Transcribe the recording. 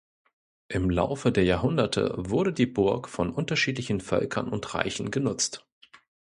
Im Laufe der Jahrhunderte wurde die Burg von unterschiedlichen Völkern und Reichen genutzt.